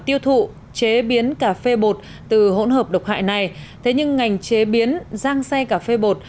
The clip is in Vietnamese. tiêu thụ chế biến cà phê bột từ hỗn hợp độc hại này thế nhưng ngành chế biến giang xay cà phê bột